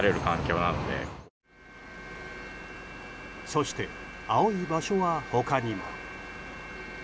そして、青い場所は他にも。